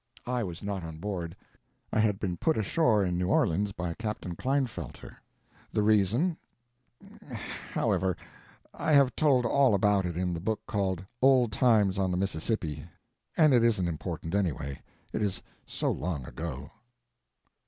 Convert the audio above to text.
I was not on board. I had been put ashore in New Orleans by Captain Klinefelter. The reason—however, I have told all about it in the book called Old Times On The Mississippi, and it isn't important, anyway, it is so long ago.